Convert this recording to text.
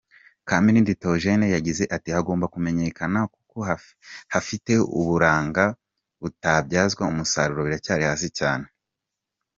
Kamirindi Théogène yagize ati “Hagomba kumenyekana kuko hafite uburanga butabyazwa umusaruro, biracyari hasi cyane.